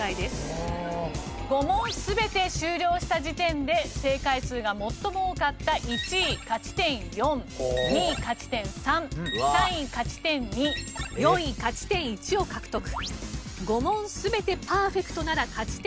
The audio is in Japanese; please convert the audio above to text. ５問全て終了した時点で正解数が最も多かった１位勝ち点４２位勝ち点３３位勝ち点２４位勝ち点１を獲得。